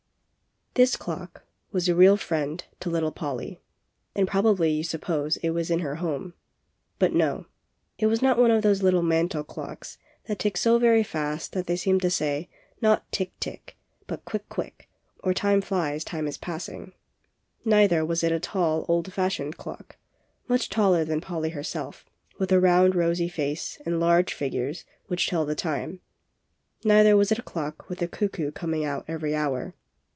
This clock was areal friend to little Polly, and probably you suppose it was in her home. But no, it was not one of those little mantel clocks that tick so very fast that they seem to say, not ^Tick, tick,'^ but ^^quick, quick, or ^Time flies, time is passing''; neither was it a tall old fashioned clock, much taller than Polly herself, with a round rosy face and large figures which tell the time; neither was it a clock with a cuckoo coming out every hour.